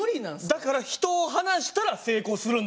だから人を離したら成功するんです。